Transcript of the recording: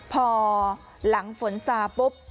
พอหลังฝนซาปุ๊บ